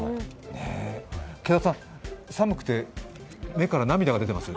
毛田さん、寒くて目から涙が出てます？